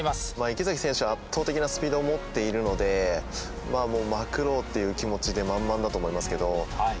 池崎選手は圧倒的なスピードを持っているのでまくろうという気持ちで満々だと思いますけど。